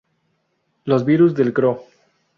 Los virus del Gro.